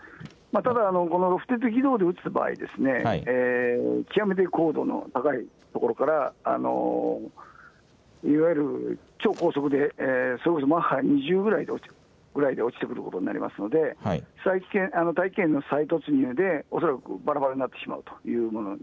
ただ、このロフテッド軌道で撃つ場合、極めて高度の高い所からいわゆる超高速でそれこそマッハ２０ぐらいで落ちてくることになりますので、大気圏の再突入で恐らくばらばらになると思います。